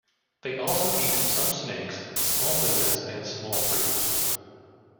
They also eat some snakes, small lizards and small fruits.